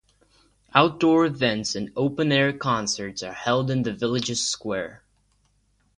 Outdoor events and open-air concerts are held in the village's square.